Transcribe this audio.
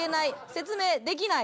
説明できない」